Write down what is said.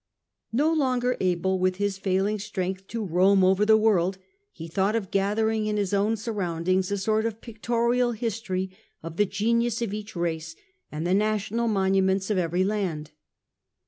No longer able with his failing strength to roam over the world, he thought of gathering in his own surroundings a sort of pictorial history of the genius of each race and the national monuments of every land.